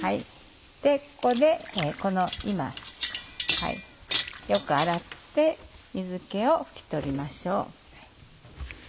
ここで今よく洗って水気を拭き取りましょう。